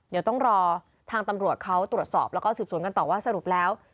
เดี๋ยวต้องรอทางตำรวจเขาตรวจสอบแล้วก็สืบสวนกันต่อว่าสรุปแล้ว